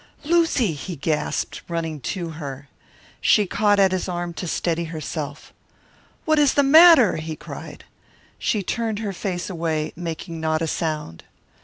"Lucy!" he gasped, running to her. She caught at his arm to steady herself. "What is the matter?" he cried. She turned her face away, making not a sound.